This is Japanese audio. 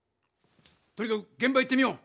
とにかくげん場行ってみよう。